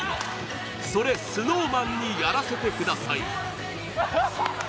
「それＳｎｏｗＭａｎにやらせて下さい」。